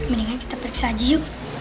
mendingan kita periksa aja yuk